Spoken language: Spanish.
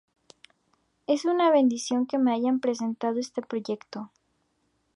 Es una bendición que me hayan presentado este proyecto".